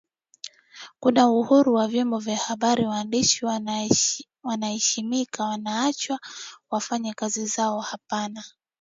kuna uhuru wa vyombo vya habari waandishi wanaeshimika wanaachwa wafanye kazi zao hapana